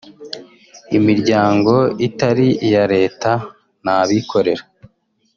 imiryango itari iya leta n’abikorera